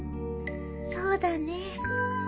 そうだね。